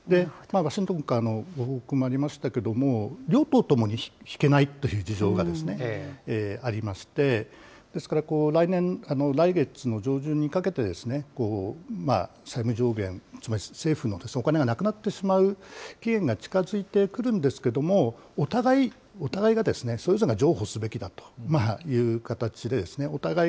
ワシントンからのご報告もありましたけれども、両党ともに引けないという事情がありまして、ですから来年、来月の上旬にかけてですね、債務上限、つまり政府の貸すお金がなくなってしまう期限が近づいてくるんですけれども、お互いがそれぞれが譲歩すべきだという形で、お互い